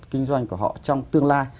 kinh doanh của họ trong tương lai